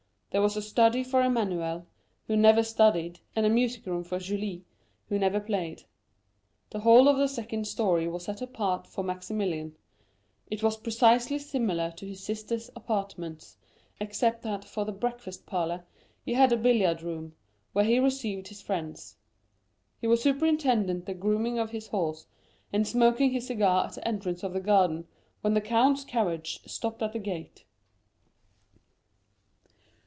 There was a study for Emmanuel, who never studied, and a music room for Julie, who never played. The whole of the second story was set apart for Maximilian; it was precisely similar to his sister's apartments, except that for the breakfast parlor he had a billiard room, where he received his friends. He was superintending the grooming of his horse, and smoking his cigar at the entrance of the garden, when the count's carriage stopped at the gate.